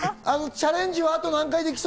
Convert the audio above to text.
チャレンジはあと何回できそ